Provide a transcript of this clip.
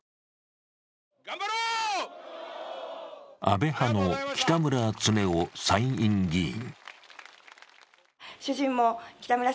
安倍派の北村経夫参院議員。